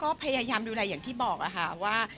ก็พยายามดูแลอย่างที่บอกค่ะว่า